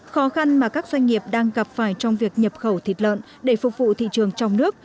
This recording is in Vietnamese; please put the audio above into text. khó khăn mà các doanh nghiệp đang gặp phải trong việc nhập khẩu thịt lợn để phục vụ thị trường trong nước